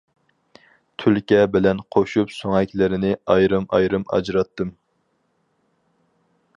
تۈلكە بىلەن قوشۇپ سۆڭەكلىرىنى ئايرىم-ئايرىم ئاجراتتىم.